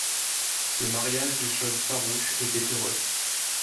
Ce mariage de choses farouches était heureux.